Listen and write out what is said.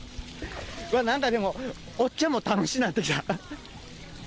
なんかでも、おっちゃんも楽しなってきた。